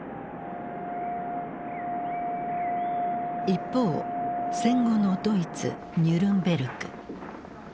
一方戦後のドイツニュルンベルク。